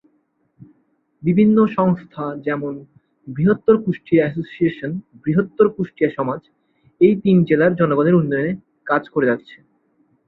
বিভিন্ন সংস্থা যেমন: "বৃহত্তর কুষ্টিয়া এসোসিয়েশন", "বৃহত্তর কুষ্টিয়া সমাজ" এই তিন জেলার জনগনের উন্নয়নে কাজ করে যাচ্ছে।